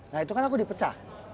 nah itu kan aku dipecah